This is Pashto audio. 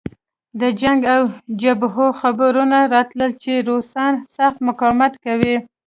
د جنګ له جبهو خبرونه راتلل چې روسان سخت مقاومت کوي